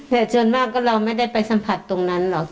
แต่ส่วนมากก็เราไม่ได้ไปสัมผัสตรงนั้นหรอก